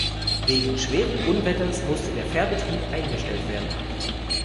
Wegen schweren Unwetters musste der Fährbetrieb eingestellt werden.